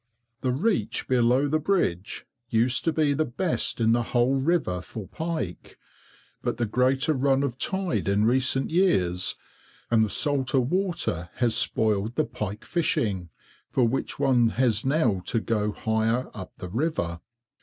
The reach below the bridge used to be the best in the whole river for pike, but the greater run of tide in recent years and the salter water has spoiled the pike fishing, for which one has now to go higher up the river.